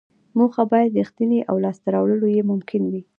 موخه باید ریښتینې او لاسته راوړل یې ممکن وي.